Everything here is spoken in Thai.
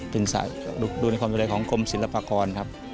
เป็นสายดูในความสวยในของกรมศิลปากร